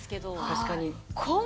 確かに。